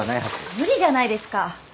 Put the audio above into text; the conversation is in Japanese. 無理じゃないですか。